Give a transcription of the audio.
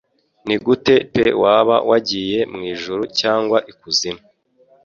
Nigute pe waba wagiye mwijuru cyangwa ikuzimu